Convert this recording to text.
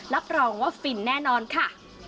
รับรองว่าฟินแน่นอนค่ะ